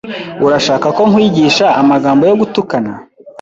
Urashaka ko nkwigisha amagambo yo gutukana?